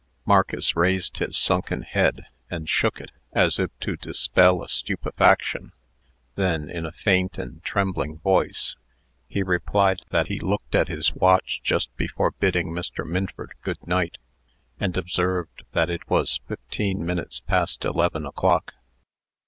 Marcus raised his sunken head, and shook it, as if to dispel a stupefaction. Then, in a faint and trembling voice, he replied that he looked at his watch just before bidding Mr. Minford "good night," and observed that it was fifteen minutes past eleven o'clock.